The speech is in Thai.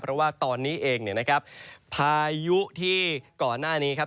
เพราะว่าตอนนี้เองเนี่ยนะครับพายุที่ก่อนหน้านี้ครับ